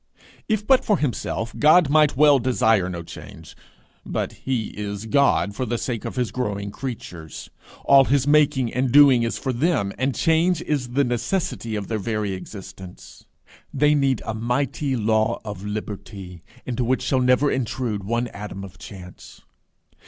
If but for himself, God might well desire no change, but he is God for the sake of his growing creatures; all his making and doing is for them, and change is the necessity of their very existence. They need a mighty law of liberty, into which shall never intrude one atom of chance.